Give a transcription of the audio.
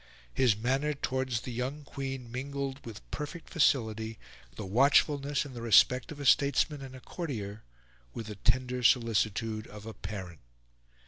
His manner towards the young Queen mingled, with perfect facility, the watchfulness and the respect of a statesman and a courtier with the tender solicitude of a parent.